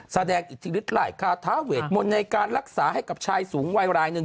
แสดงอิทธิริจหลายฆาตาเวษมนตร์ในการรักษาให้กับชายสูงวัยหลายหนึ่ง